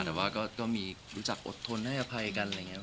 แต่ว่าก็มีรู้จักอดทนให้อภัยกันอะไรอย่างนี้